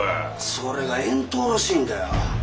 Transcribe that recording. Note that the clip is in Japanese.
それが遠島らしいんだよ。